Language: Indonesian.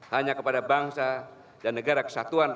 hanya kepada bangsa dan negara kesatuan